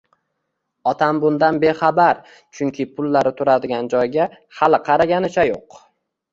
Otam bundan bexabar, chunki pullari turadigan joyga xali qaraganicha yo‘q.